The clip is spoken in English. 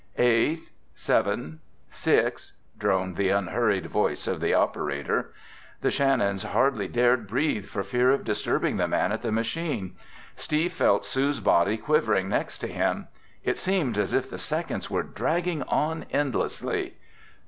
"Eight—seven—six—" droned the unhurried voice of the operator. The Shannons hardly dared breathe for fear of disturbing the man at the machine. Steve felt Sue's body quivering next to him. It seemed as if the seconds were dragging on endlessly.